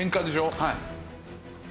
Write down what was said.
はい。